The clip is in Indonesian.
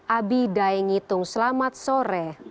abi daeng itung selamat sore